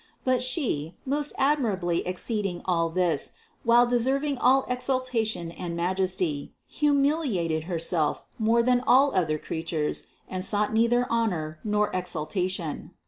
But She, most admirably exceeding all this, while deserving all ex altation and majesty, humiliated Herself more than all other creatures and sought neither honor nor exaltation.